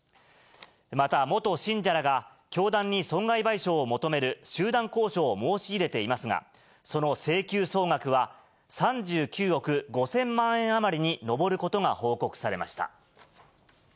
また、元信者らが教団に損害賠償を求める集団交渉を申し入れていますが、その請求総額は、３９億５０００万円余りに上ることが報告されました。